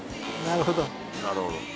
なるほど。